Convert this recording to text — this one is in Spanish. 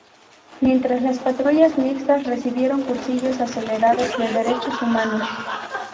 Mientras, las patrullas mixtas recibieron cursillos acelerados de derechos humanos.